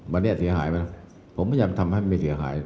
วันเนี้ยเสียหายไปแล้วผมพยายามทำให้มันไม่เสียหาย